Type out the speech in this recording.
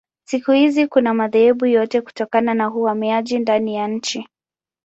Siku hizi kuna madhehebu yote kutokana na uhamiaji ndani ya nchi.